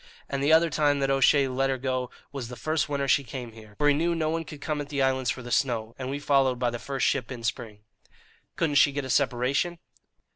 And the other time that O'Shea let her go was the first winter she came here, for he knew no one could come at the islands for the snow, and we followed by the first ship in spring." "Couldn't she get a separation?"